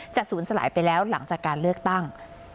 ศูนย์สลายไปแล้วหลังจากการเลือกตั้ง